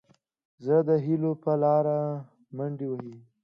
زړه د هيلو په لاره منډې وهي.